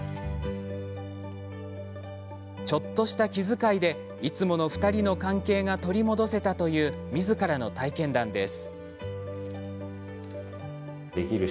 ちょっとした気遣いでいつもの２人の関係が取り戻せたというみずからの体験談です。